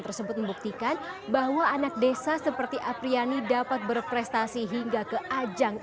tersebut membuktikan bahwa anak desa seperti apriani dapat berprestasi hingga ke ajang